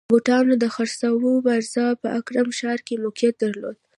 د بوټانو د خرڅلاو بازار په اکرا ښار کې موقعیت درلود.